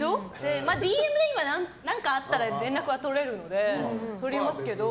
ＤＭで何かあったら連絡は取れるので取りますけど。